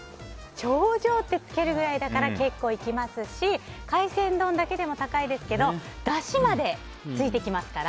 頂上ってつけるぐらいだから結構いきますし海鮮丼だけでも高いですけどだしまでついてきますから。